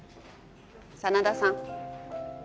真田さん？